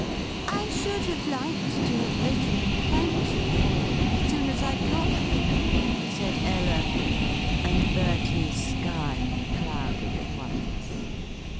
"I should have liked to have written and thanked you for them as soon as I got them," said Ella, and Bertie's sky clouded at once.